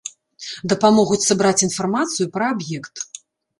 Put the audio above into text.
Дапамогуць сабраць інфармацыю пра аб'ект.